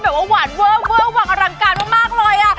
เหมือนว่าหวานเวอร์หวังอลังการมากเลยอะ